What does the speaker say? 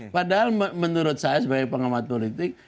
padahal menurut saya sebagai pengamat politik